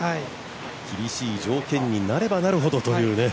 厳しい条件になればなるほどという。